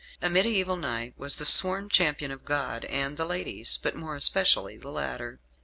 A mediæval knight was the sworn champion of God and the ladies but more especially the latter.